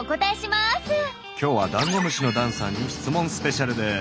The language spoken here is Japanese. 今日はダンゴムシのだんさんに質問スペシャルです！